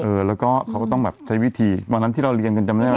เออแล้วก็เขาก็ต้องแบบใช้วิธีวันนั้นที่เราเรียนกันจำได้ไหม